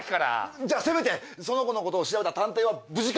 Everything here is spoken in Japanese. じゃあせめてその子のことを調べた探偵は無事か？